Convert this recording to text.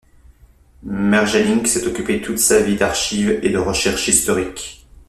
Merghelynck s'est occupé toute sa vie d'archives et de recherche historique.